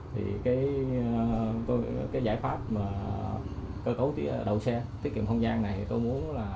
thì cái giải pháp cơ cấu đậu xe tiết kiệm không gian này tôi muốn là